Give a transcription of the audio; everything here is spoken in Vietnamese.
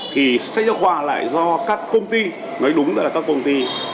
thì sách giáo khoa lại do các công ty nói đúng là các công ty